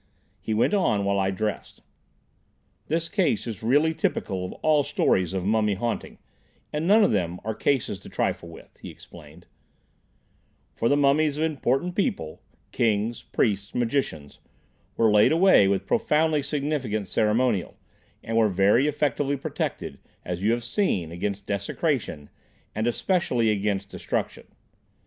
He went on talking while I dressed. "This case is really typical of all stories of mummy haunting, and none of them are cases to trifle with," he explained, "for the mummies of important people—kings, priests, magicians—were laid away with profoundly significant ceremonial, and were very effectively protected, as you have seen, against desecration, and especially against destruction.